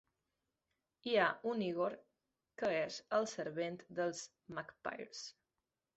Hi ha un Igor que és el servent dels Magpyrs.